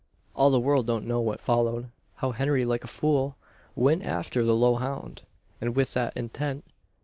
"All the world don't know what followed: how Henry, like a fool, went after the low hound, and with what intent.